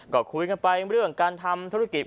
ก็คุยกันไปเรื่องการทำธุรกิจ